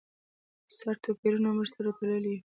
سره توپیرونو موږ سره تړلي یو.